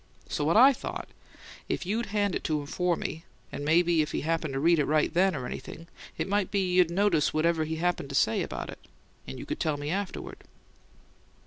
So what I thought: if you'd hand it to him for me, and maybe if he happened to read it right then, or anything, it might be you'd notice whatever he'd happen to say about it and you could tell me afterward."